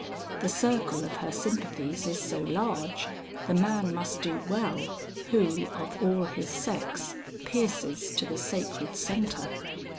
The circle of her sympathies is so large, the man must do well, who of all his sex, pierces to the sacred centre.